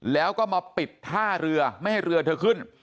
แล้วก็มาปิดท่าเรือไม่ให้เรือเธอขึ้น